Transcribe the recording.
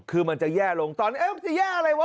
คือมันจะแย่ลงตอนนี้มันจะแย่อะไรวะ